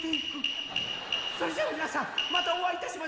それじゃあみなさんまたおあいいたしましょう！